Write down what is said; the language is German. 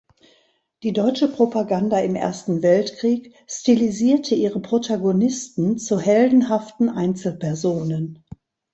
Die deutsche Propaganda im Ersten Weltkrieg stilisierte ihre Protagonisten zu heldenhaften Einzelpersonen.